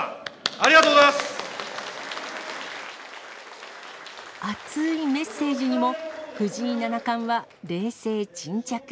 ありがとうござい熱いメッセージにも、藤井七冠は冷静沈着。